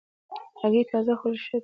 هګۍ تازه خوړل ښه دي.